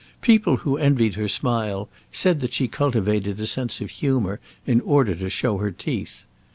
People who envied her smile said that she cultivated a sense of humour in order to show her teeth.